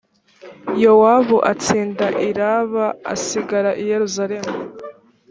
yowabu atsinda i raba asigara i yerusalemu